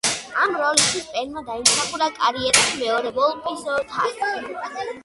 ამ როლისთვის პენმა დაიმსახურა კარიერაში მეორე ვოლპის თასი.